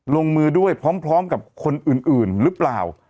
ลงมือด้วยพร้อมกับคนอื่นหรือเปล่า